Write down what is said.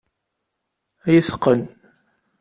Ad iyi-teqqen.